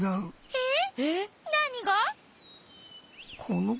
えっ！？